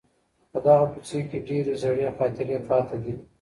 په دغه کوڅې کي ډېرې زړې خاطرې پاته دي.